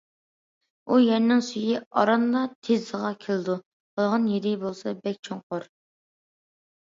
ئۇ يەرنىڭ سۈيى ئارانلا تىزغا كېلىدۇ، قالغان يېرى بولسا بەك چوڭقۇر.